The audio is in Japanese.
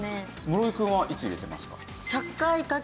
室井くんはいつ入れてますか？